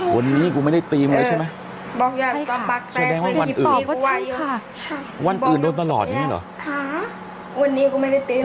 วันนี้กูไม่ได้ตีมันเลยใช่ไหมแสดงว่าวันอื่นวันอื่นโดนตลอดอย่างนี้หรอ